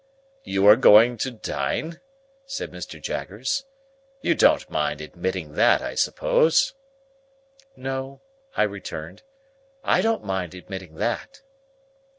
"You are going to dine?" said Mr. Jaggers. "You don't mind admitting that, I suppose?" "No," I returned, "I don't mind admitting that."